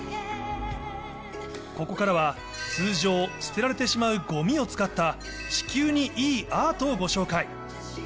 ここからは通常、捨てられるしまうごみを使った地球にいいアートをご紹介。